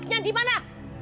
kamu otaknya dimana